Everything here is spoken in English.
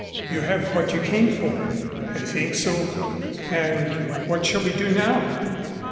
"You have what you came for?" "I think so." "And what shall we do now?"